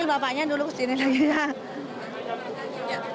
bapaknya dulu kesini lagi